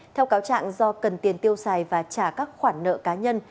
theo cáo trạng do cần tiền tiêu xài và trả các khoản nợ cá nhân